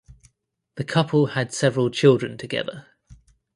The couple had several children together.